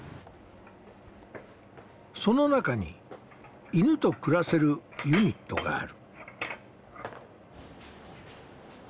その中に犬と暮らせるユニットがある。